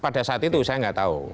pada saat itu saya nggak tahu